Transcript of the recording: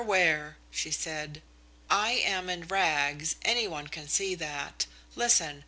Ware," she said, "I am in rags any one can see that. Listen.